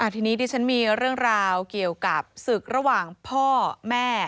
ทีนี้ดิฉันมีเรื่องราวเกี่ยวกับศึกระหว่างพ่อแม่